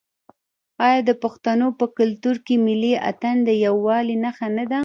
آیا د پښتنو په کلتور کې ملي اتن د یووالي نښه نه ده؟